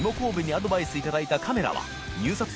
アドバイスいただいたカメラは⑾ィ鰻錣里